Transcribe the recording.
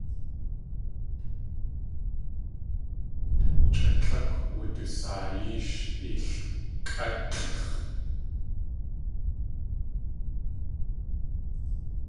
Chʼa tlákw wudusaayí sh ilkʼátlʼx̲.